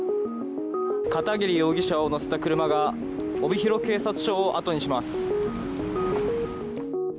片桐容疑者を乗せた車が帯広警察署を後にします。